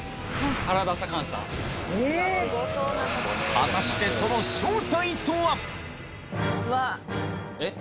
果たしてその正体とは⁉うわっ。